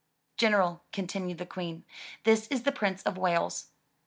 "General,'* continued the Queen, "this is the Prince of Wales."